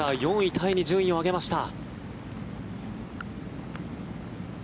タイに順位を上げました。